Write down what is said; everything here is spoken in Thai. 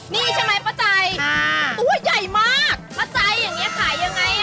นี่ใช่ไหมป้าใจตัวใหญ่มากป้าใจอย่างนี้ขายยังไง